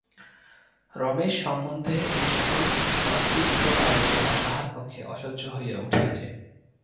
রমেশ সম্বন্ধে এই-সকল সন্দিগ্ধ আলোচনা তাহার পক্ষে অসহ্য হইয়া উঠিয়াছে।